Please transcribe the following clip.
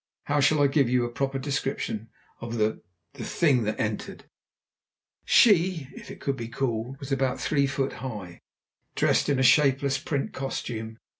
How shall I give you a proper description of the thing that entered. She if she it could be called was about three feet high, dressed in a shapeless print costume.